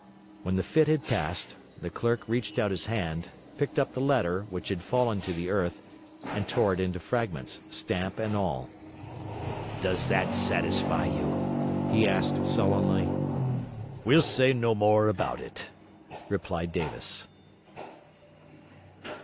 When the fit had passed, the clerk reached out his hand, picked up the letter, which had fallen to the earth, and tore it into fragments, stamp and all. 'Does that satisfy you?' he asked sullenly. 'We'll say no more about it,' replied Davis.